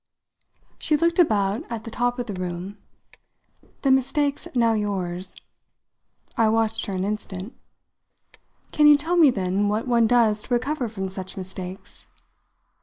She looked about at the top of the room. "The mistake's now yours." I watched her an instant. "Can you tell me then what one does to recover from such mistakes?"